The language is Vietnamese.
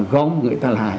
gom người ta lại